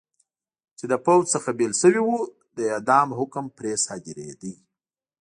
چې له پوځ څخه بېل شوي و، د اعدام حکم پرې صادرېده.